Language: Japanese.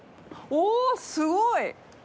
お、すごい！